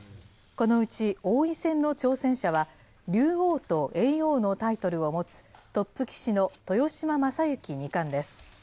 このうち王位戦の挑戦者は、竜王と叡王のタイトルを持つ、トップ棋士の豊島将之二冠です。